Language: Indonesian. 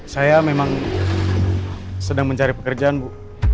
saya memang sedang mencari pekerjaan bu